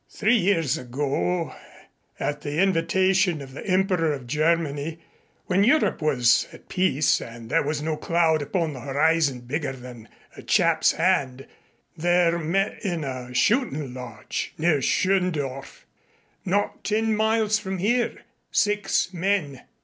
"Three years ago, at the invitation of the Emperor of Germany, when Europe was at peace and there was no cloud upon the horizon bigger than a chap's hand, there met in a shootin' lodge near Schöndorf, not ten miles from here, six men.